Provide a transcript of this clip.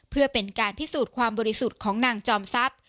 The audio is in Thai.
เพื่อเป็นการพิสูจน์ความบริสุทธิ์ของนางจอมทรัพย์